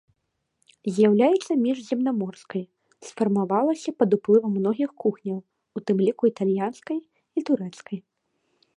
З'яўляецца міжземнаморскай, сфармавалася пад уплывам многіх кухняў, у тым ліку італьянскай і турэцкай.